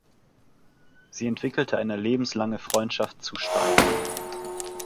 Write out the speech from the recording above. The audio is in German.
Sie entwickelte eine lebenslange Freundschaft zu Stein.